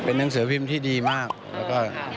เป็นหนังสือภาพที่ดีมาก